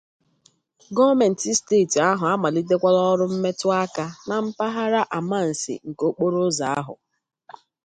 gọọmenti steeti ahụ amàlitekwala ọrụ mmetụ aka na mpaghara Amansea nke okporoụzọ ahụ